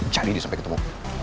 jadilah dia sampai ketemu